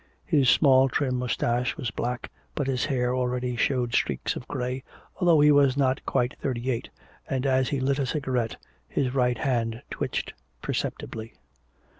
His small trim moustache was black, but his hair already showed streaks of gray although he was not quite thirty eight, and as he lit a cigarette his right hand twitched perceptibly.